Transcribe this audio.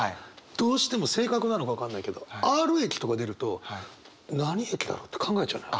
どうしても性格なのか分かんないけどＲ駅とか出ると何駅だろう？って考えちゃうのよ。